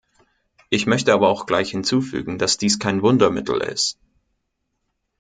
Ich möchte aber auch gleich hinzufügen, dass dies kein Wundermittel ist.